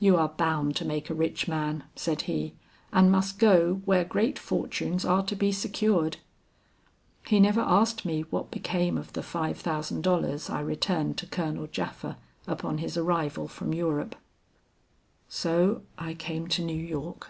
'You are bound to make a rich man,' said he 'and must go where great fortunes are to be secured.' He never asked me what became of the five thousand dollars I returned to Colonel Japha upon his arrival from Europe. "So I came to New York.